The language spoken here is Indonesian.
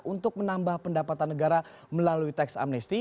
untuk menambah pendapatan negara melalui teks amnesti